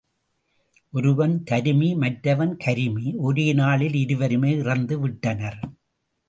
ஒருவன் தருமி மற்றவன் கருமி, ஒரே நாளில் இருவருமே இறந்து விட்டனர்.